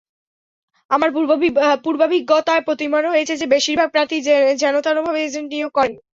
আমার পূর্বাভিজ্ঞতায় প্রতীয়মান হয়েছে যে, বেশির ভাগ প্রার্থী যেনতেনভাবে এজেন্ট নিয়োগ করেন।